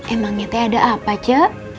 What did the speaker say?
emangnya te ada apa ce